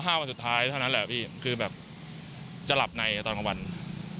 วันสุดท้ายเท่านั้นแหละพี่คือแบบจะหลับในตอนกลางวัน